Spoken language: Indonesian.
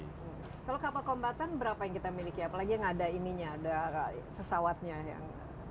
kalau kapal kombatan berapa yang kita miliki apalagi yang ada ininya ada pesawatnya yang